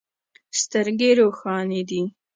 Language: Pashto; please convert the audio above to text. سترګې روښانې دي.